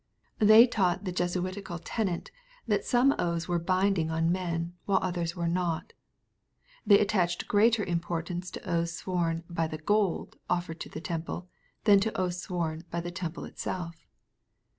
They taught the Jesuitical tenet, that some oaths were binding on"men7 while others were not. They attached greater importance to oaths sworn "by the gold" offered to the temple, than to oaths swoih " by'The temple" itself.